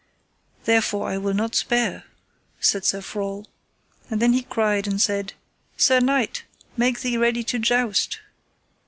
Therefore I will not spare, said Sir Frol. And then he cried and said: Sir knight, make thee ready to joust.